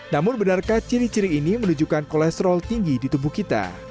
namun benarkah ciri ciri ini menunjukkan kolesterol tinggi di tubuh kita